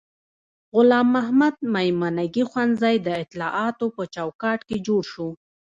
غلام محمد میمنګي ښوونځی د اطلاعاتو په چوکاټ کې جوړ شو.